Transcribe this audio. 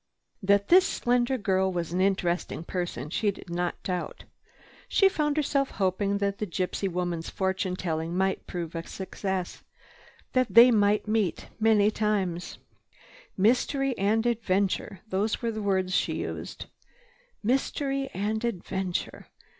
That this slender girl was an interesting person she did not doubt. She found herself hoping that the gypsy woman's fortune telling might prove a success—that they might meet many times. "Mystery and adventure, those were the words she used." Mystery and adventure.